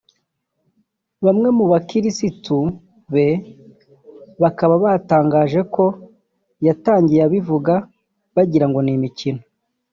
Bamwe mu bakirisitu be bakaba batangaje ko yatangiye abivuga bagirango ni imikino